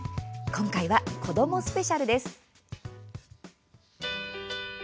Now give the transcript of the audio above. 今回は、子どもスペシャルです。